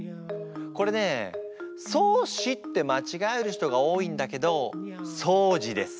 これね「そうし」ってまちがえる人が多いんだけど「そうじ」です。